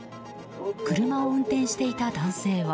車を運転していた男性は。